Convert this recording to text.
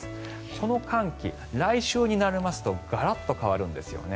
この寒気、来週になりますとガラッと変わるんですよね。